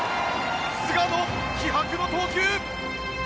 菅野、気迫の投球！